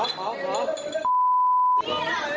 ขอขอ